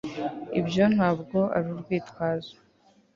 ibyo ntabwo ari urwitwazo